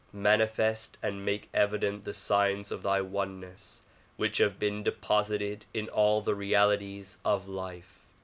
IManifest and make evident the signs of thy oneness which have been deposited in all the reali ties of life.